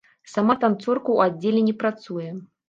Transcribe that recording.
Сама танцорка ў аддзеле не працуе.